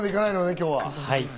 今日は。